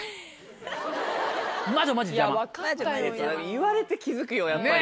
言われて気付くよやっぱり。